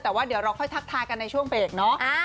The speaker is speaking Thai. แต่ว่าเดี๋ยวเราค่อยทักทายกันในช่วงเบรกเนาะ